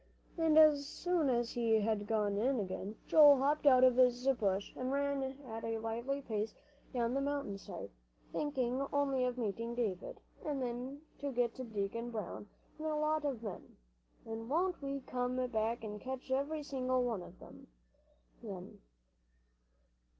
And as soon as he had gone in again, Joel hopped out of his bush, and ran at a lively pace down the mountain side, thinking only of meeting David, and then to get Ben and Deacon Brown and a lot of men, "and won't we come back and catch every single one of 'em, then!"